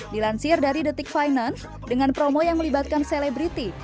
dilansir dari detik finance dengan promo yang melibatkan selebriti